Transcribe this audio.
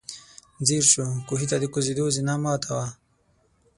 ځير شو، کوهي ته د کوزېدو زينه ماته وه.